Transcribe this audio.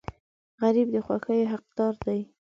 غریب د خوښیو حقدار دی